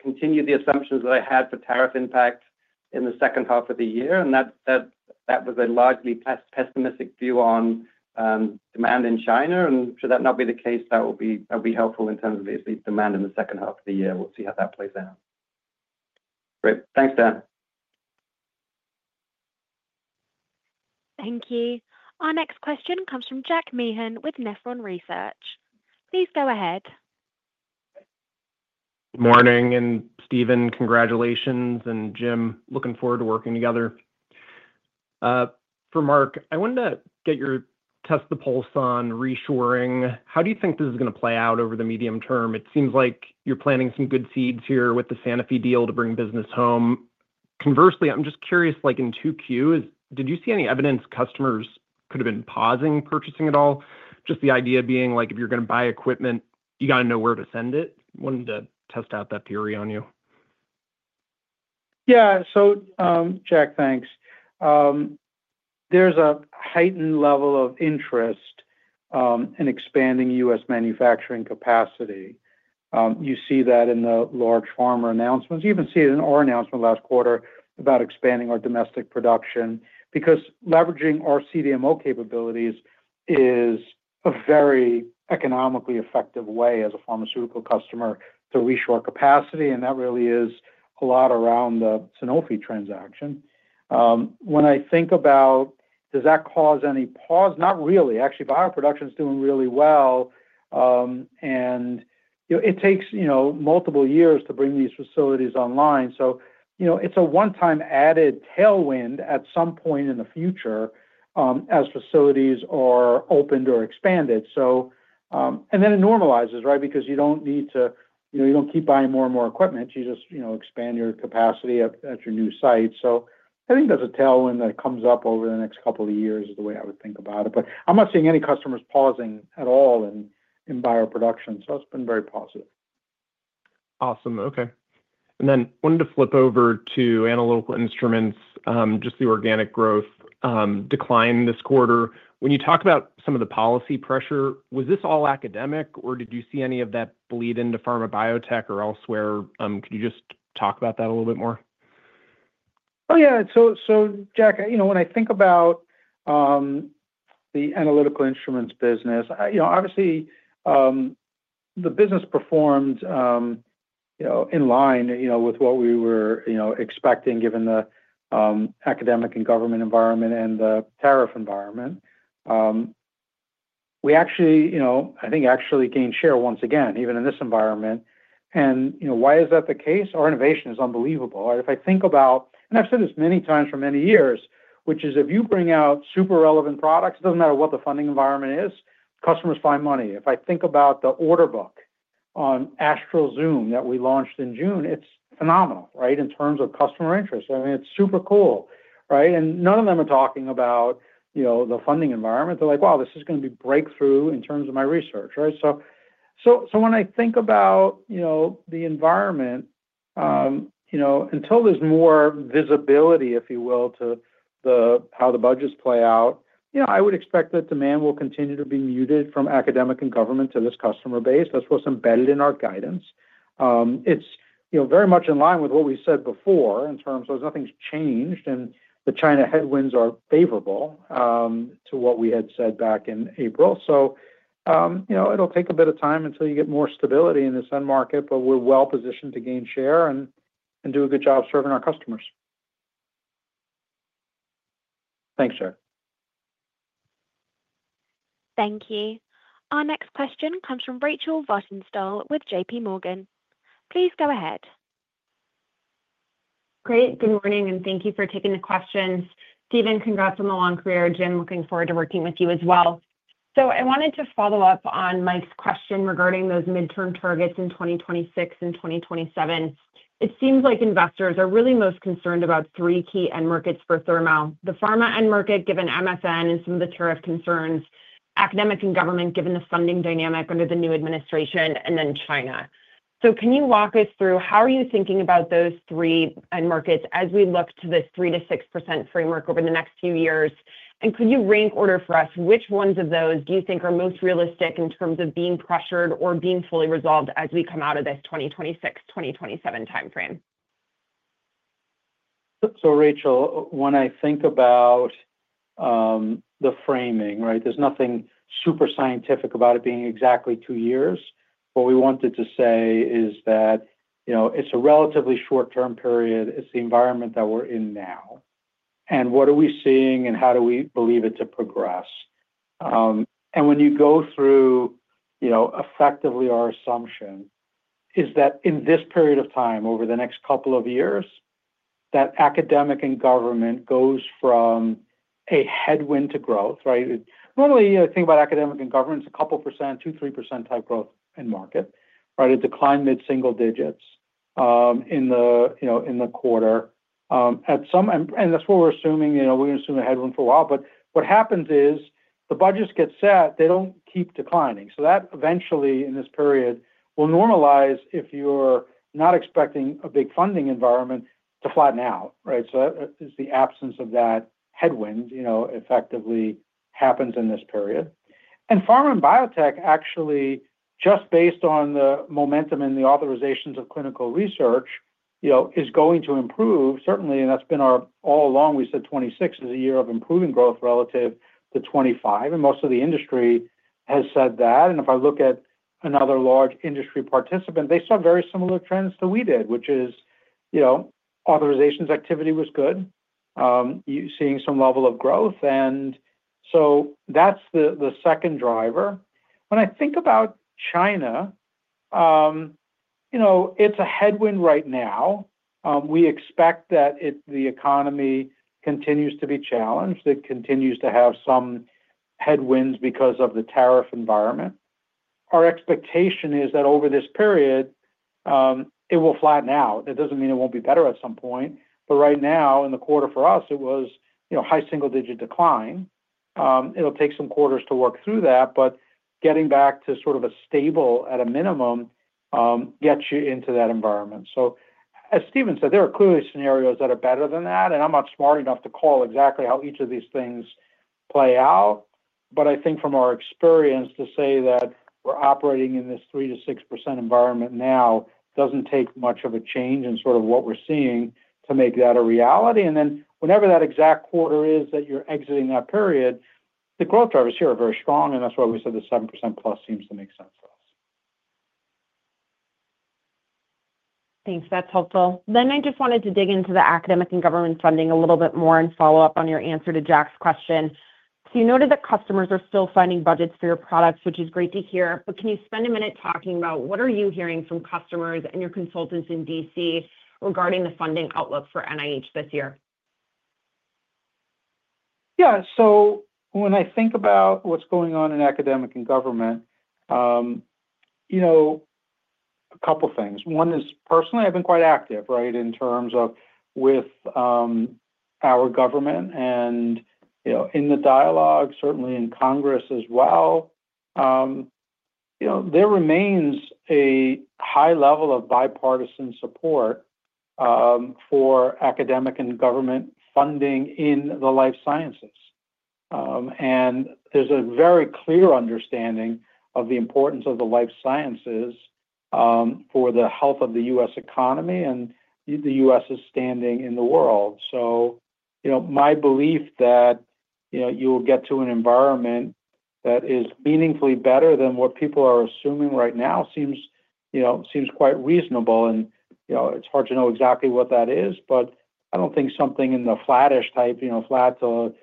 continue the assumptions that I had for tariff impact in the second half of the year. That was a largely pessimistic view on demand in China. Should that not be the case, that will be helpful in terms of the demand in the second half of the year. We'll see how that plays out. Great. Thanks, Dan. Thank you. Our next question comes from Jack Meehan with Nephron Research. Please go ahead. Good morning. Stephen, congratulations. Jim, looking forward to working together. For Marc, I wanted to get your test the pulse on reshoring. How do you think this is going to play out over the medium term? It seems like you're planting some good seeds here with the Sanofi deal to bring business home. Conversely, I'm just curious, in 2Q, did you see any evidence customers could have been pausing purchasing at all? Just the idea being if you're going to buy equipment, you got to know where to send it. I wanted to test out that theory on you. Yeah. Jack, thanks. There's a heightened level of interest in expanding U.S. manufacturing capacity. You see that in the large pharma announcements. You even see it in our announcement last quarter about expanding our domestic production because leveraging our CDMO capabilities is a very economically effective way as a pharmaceutical customer to reshore capacity. That really is a lot around the Sanofi transaction. When I think about does that cause any pause, not really. Actually, bioproduction is doing really well. It takes multiple years to bring these facilities online. It's a one-time added tailwind at some point in the future as facilities are opened or expanded. Then it normalizes, right? You don't need to—you don't keep buying more and more equipment. You just expand your capacity at your new site. I think that's a tailwind that comes up over the next couple of years is the way I would think about it. I'm not seeing any customers pausing at all in bioproduction. It's been very positive. Awesome. Okay. Then wanted to flip over to Analytical Instruments, just the organic growth decline this quarter. When you talk about some of the policy pressure, was this all academic, or did you see any of that bleed into pharma biotech or elsewhere? Could you just talk about that a little bit more? Oh, yeah. Jack, when I think about the Analytical Instruments business, obviously, the business performed in line with what we were expecting, given the. Academic and government environment and the tariff environment. We actually, I think, gained share once again, even in this environment. Why is that the case? Our innovation is unbelievable. If I think about—and I've said this many times for many years—which is if you bring out super relevant products, it doesn't matter what the funding environment is, customers find money. If I think about the order book on Astral Zoom that we launched in June, it's phenomenal, right, in terms of customer interest. I mean, it's super cool, right? None of them are talking about the funding environment. They're like, "Wow, this is going to be breakthrough in terms of my research," right? When I think about the environment, until there's more visibility, if you will, to how the budgets play out, I would expect that demand will continue to be muted from academic and government to this customer base. That's what's embedded in our guidance. It's very much in line with what we said before in terms of nothing's changed, and the China headwinds are favorable to what we had said back in April. It'll take a bit of time until you get more stability in the SEN market, but we're well-positioned to gain share and do a good job serving our customers. Thanks, Jack. Thank you. Our next question comes from Rachel Vatnsdal with JP Morgan. Please go ahead. Great. Good morning, and thank you for taking the questions. Stephen, congrats on the long career. Jim, looking forward to working with you as well. I wanted to follow up on Mike's question regarding those midterm targets in 2026 and 2027. It seems like investors are really most concerned about three key end markets for Thermo. The pharma end market, given MSN and some of the tariff concerns; academic and government, given the funding dynamic under the new administration; and then China. Can you walk us through how you are thinking about those three end markets as we look to this 3%-6% framework over the next few years? Could you rank order for us which ones of those you think are most realistic in terms of being pressured or being fully resolved as we come out of this 2026, 2027 timeframe? Rachel, when I think about the framing, right, there's nothing super scientific about it being exactly two years. What we wanted to say is that it's a relatively short-term period. It's the environment that we're in now. What are we seeing, and how do we believe it to progress? When you go through, effectively our assumption is that in this period of time, over the next couple of years, that academic and government goes from a headwind to growth, right? Normally, think about academic and government, it's a couple percent, 2%-3% type growth in market, right? A decline mid-single digits in the quarter. That's what we're assuming. We're going to assume a headwind for a while. What happens is the budgets get set. They don't keep declining. That eventually, in this period, will normalize if you're not expecting a big funding environment to flatten out, right? It's the absence of that headwind effectively happens in this period. Pharma and biotech, actually, just based on the momentum in the authorizations of clinical research, is going to improve, certainly. That's been our all along. We said 2026 is a year of improving growth relative to 2025. Most of the industry has said that. If I look at another large industry participant, they saw very similar trends to we did, which is authorizations activity was good, seeing some level of growth. That's the second driver. When I think about China, it's a headwind right now. We expect that the economy continues to be challenged. It continues to have some headwinds because of the tariff environment. Our expectation is that over this period, it will flatten out. It doesn't mean it won't be better at some point. Right now, in the quarter for us, it was high single-digit decline. It'll take some quarters to work through that. Getting back to sort of a stable, at a minimum, gets you into that environment. As Stephen said, there are clearly scenarios that are better than that. I'm not smart enough to call exactly how each of these things play out. I think from our experience, to say that we're operating in this 3%-6% environment now doesn't take much of a change in sort of what we're seeing to make that a reality. Whenever that exact quarter is that you're exiting that period, the growth drivers here are very strong. That's why we said the 7% plus seems to make sense to us. Thanks. That's helpful. I just wanted to dig into the academic and government funding a little bit more and follow up on your answer to Jack's question. You noted that customers are still finding budgets for your products, which is great to hear. Can you spend a minute talking about what are you hearing from customers and your consultants in D.C. regarding the funding outlook for NIH this year? Yeah. When I think about what's going on in academic and government, a couple of things. One is, personally, I've been quite active, right, in terms of with our government and in the dialogue, certainly in Congress as well. There remains a high level of bipartisan support for academic and government funding in the life sciences. There's a very clear understanding of the importance of the life sciences for the health of the U.S. economy and the U.S.'s standing in the world. My belief that you will get to an environment that is meaningfully better than what people are assuming right now seems quite reasonable. It's hard to know exactly what that is. I don't think something in the flattish type, flat to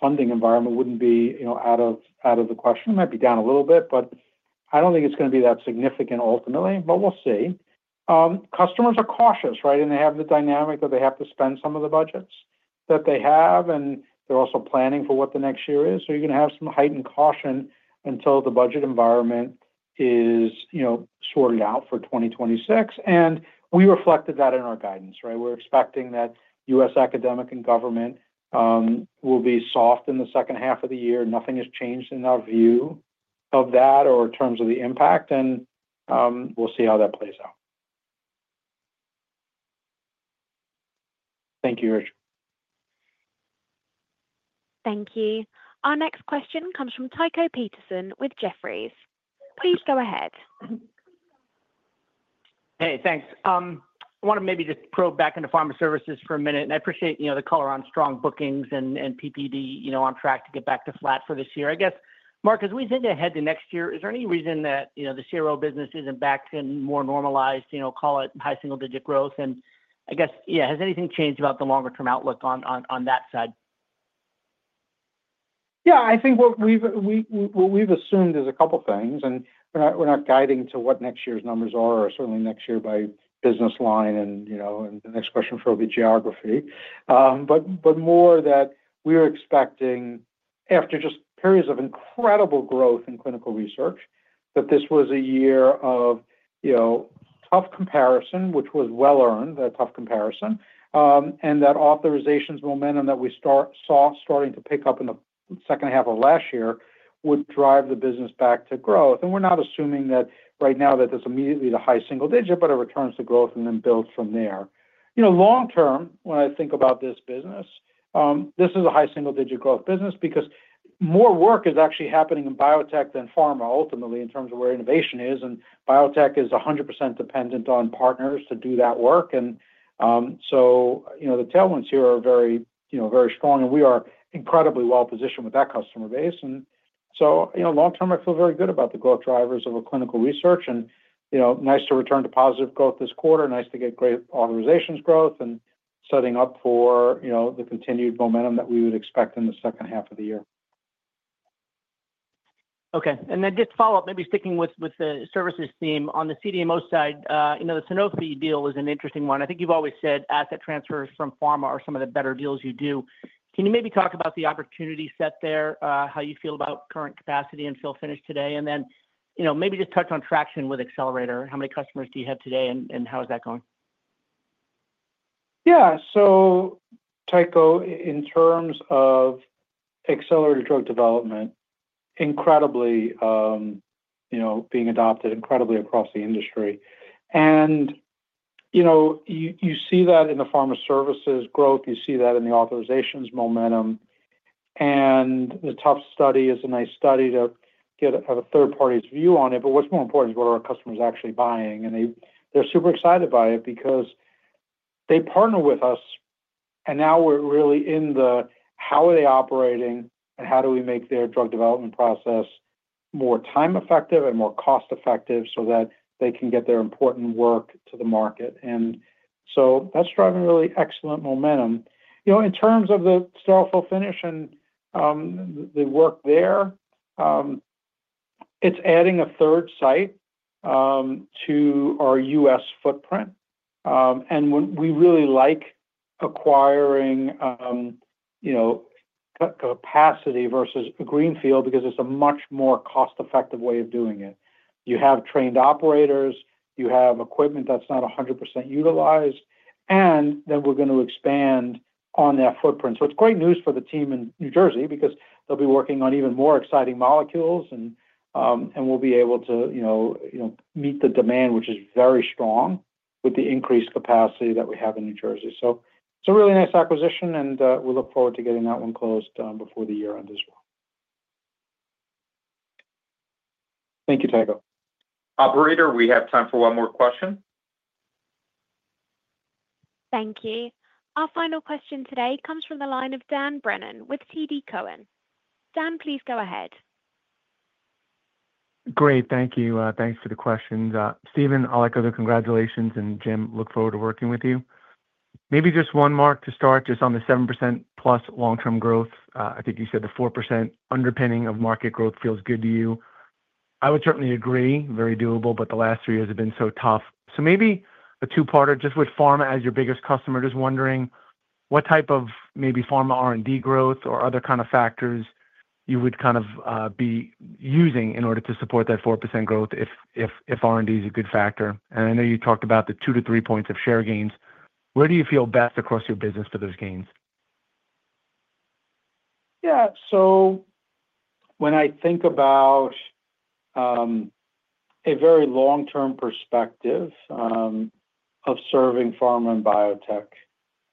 funding environment, would be out of the question. It might be down a little bit, but I don't think it's going to be that significant ultimately. We'll see. Customers are cautious, right? They have the dynamic that they have to spend some of the budgets that they have. They're also planning for what the next year is. You're going to have some heightened caution until the budget environment is sorted out for 2026. We reflected that in our guidance, right? We're expecting that U.S. academic and government will be soft in the second half of the year. Nothing has changed in our view of that or in terms of the impact. We'll see how that plays out. Thank you, Rachel. Thank you. Our next question comes from Tycho Peterson with Jefferies. Please go ahead. Hey, thanks. I want to maybe just probe back into pharma services for a minute. I appreciate the color on strong bookings and PPD on track to get back to flat for this year. I guess, Marc, as we think ahead to next year, is there any reason that the CRO business isn't back in more normalized, call it high single-digit growth? Has anything changed about the longer-term outlook on that side? I think what we've assumed is a couple of things. We're not guiding to what next year's numbers are or certainly next year by business line. The next question will be geography. More that we are expecting, after just periods of incredible growth in clinical research, that this was a year of tough comparison, which was well-earned, a tough comparison. That authorizations momentum that we saw starting to pick up in the second half of last year would drive the business back to growth. We're not assuming that right now that it's immediately the high-single-digit, but it returns to growth and then builds from there. Long term, when I think about this business, this is a high-single-digit growth business because more work is actually happening in biotech than pharma ultimately in terms of where innovation is. Biotech is 100% dependent on partners to do that work. The tailwinds here are very strong. We are incredibly well-positioned with that customer base. Long term, I feel very good about the growth drivers of clinical research. Nice to return to positive growth this quarter. Nice to get great authorizations growth and setting up for the continued momentum that we would expect in the second half of the year. Okay. Just follow up, maybe sticking with the services theme. On the CDMO side, the Sanofi deal is an interesting one. I think you've always said asset transfers from pharma are some of the better deals you do. Can you maybe talk about the opportunity set there, how you feel about current capacity and fill finish today? And then maybe just touch on traction with Accelerator. How many customers do you have today, and how is that going? Yeah. Tycho, in terms of Accelerator Drug Development, incredibly, being adopted incredibly across the industry. You see that in the pharma services growth. You see that in the authorizations momentum. The Tufts study is a nice study to get a third party's view on it. What's more important is what are our customers actually buying? They're super excited by it because they partner with us. Now we're really in the how are they operating and how do we make their drug development process more time-effective and more cost-effective so that they can get their important work to the market. That's driving really excellent momentum. In terms of the sterile fill-finish and the work there, it's adding a third site to our U.S. footprint. We really like acquiring capacity versus a greenfield because it's a much more cost-effective way of doing it. You have trained operators. You have equipment that's not 100% utilized. We're going to expand on that footprint. It's great news for the team in New Jersey because they'll be working on even more exciting molecules. We'll be able to meet the demand, which is very strong with the increased capacity that we have in New Jersey. It's a really nice acquisition. We look forward to getting that one closed before the year end as well. Thank you, Tycho. Operator, we have time for one more question. Thank you. Our final question today comes from the line of Dan Brennan with TD Cowen. Dan, please go ahead. Great. Thank you. Thanks for the questions. Stephen, I'll echo the congratulations. Jim, look forward to working with you. Maybe just one, Marc, to start, just on the 7% plus long-term growth. I think you said the 4% underpinning of market growth feels good to you. I would certainly agree. Very doable. The last three years have been so tough. Maybe a two-parter, just with pharma as your biggest customer, just wondering what type of maybe pharma R&D growth or other kind of factors you would kind of be using in order to support that 4% growth if R&D is a good factor. I know you talked about the 2-3 points of share gains. Where do you feel best across your business for those gains? Yeah. When I think about a very long-term perspective of serving pharma and biotech,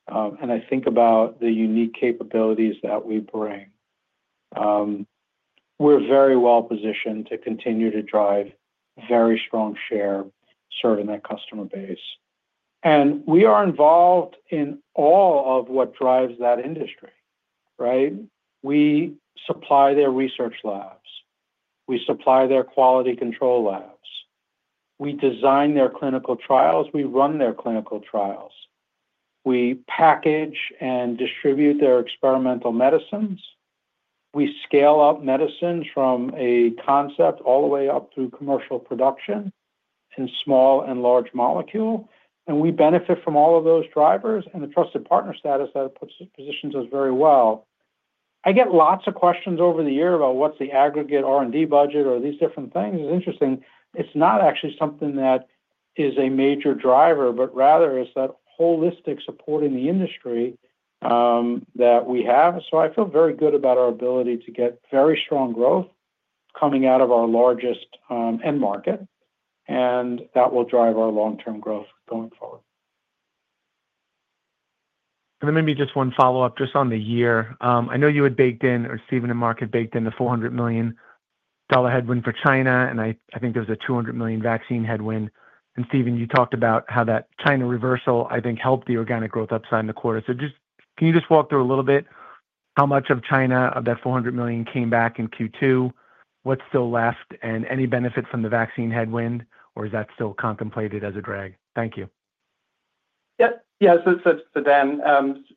and I think about the unique capabilities that we bring, we're very well-positioned to continue to drive very strong share serving that customer base. We are involved in all of what drives that industry, right? We supply their research labs. We supply their quality control labs. We design their clinical trials. We run their clinical trials. We package and distribute their experimental medicines. We scale up medicines from a concept all the way up through commercial production. In small and large molecule. And we benefit from all of those drivers and the trusted partner status that positions us very well. I get lots of questions over the year about what's the aggregate R&D budget or these different things. It's interesting. It's not actually something that is a major driver, but rather it's that holistic support in the industry. That we have. So I feel very good about our ability to get very strong growth coming out of our largest end market. And that will drive our long-term growth going forward. And then maybe just one follow-up, just on the year. I know you had baked in, or Stephen and Marc had baked in the $400 million headwind for China. And I think there was a $200 million vaccine headwind. And Stephen, you talked about how that China reversal, I think, helped the organic growth upside in the quarter. So can you just walk through a little bit how much of China, of that $400 million, came back in Q2? What's still left? And any benefit from the vaccine headwind, or is that still contemplated as a drag? Thank you. Yeah. So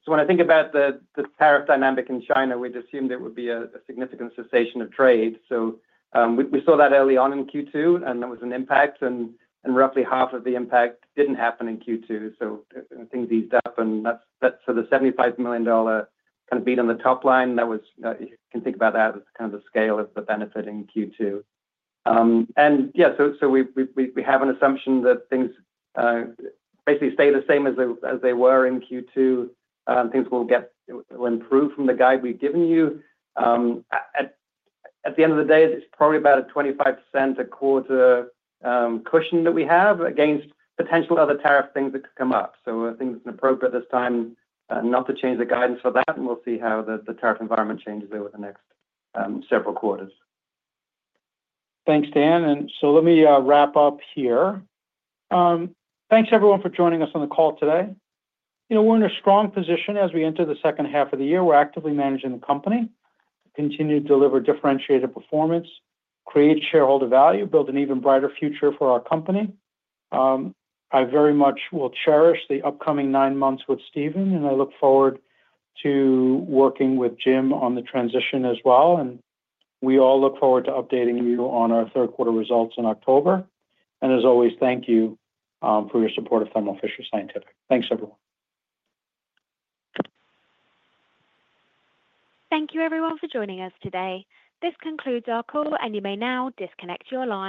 when I think about the tariff dynamic in China, we'd assumed it would be a significant cessation of trade. We saw that early on in Q2. And that was an impact. And roughly half of the impact didn't happen in Q2. Things eased up. And so the $75 million kind of beat on the top line, you can think about that as kind of the scale of the benefit in Q2. And yeah, so we have an assumption that things basically stay the same as they were in Q2. Things will improve from the guide we've given you. At the end of the day, it's probably about a 25% to quarter cushion that we have against potential other tariff things that could come up. I think it's appropriate this time not to change the guidance for that. We'll see how the tariff environment changes over the next several quarters. Thanks, Dan. Let me wrap up here. Thanks, everyone, for joining us on the call today. We're in a strong position as we enter the second half of the year. We're actively managing the company. Continue to deliver differentiated performance, create shareholder value, build an even brighter future for our company. I very much will cherish the upcoming nine months with Stephen. I look forward to working with Jim on the transition as well. We all look forward to updating you on our third-quarter results in October. As always, thank you for your support of Thermo Fisher Scientific. Thanks, everyone. Thank you, everyone, for joining us today. This concludes our call. You may now disconnect your line.